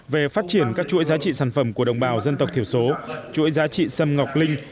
về phát triển các chuỗi giá trị sản phẩm của đồng bào dân tộc thiểu số chuỗi giá trị xâm ngọc linh